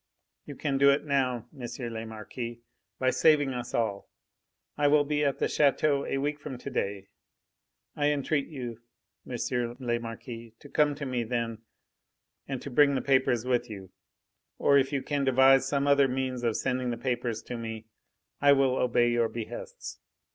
You can do it now, M. le Marquis, by saving us all. I will be at the chateau a week from to day. I entreat you, M. le Marquis, to come to me then and to bring the papers with you; or if you can devise some other means of sending the papers to me, I will obey your behests.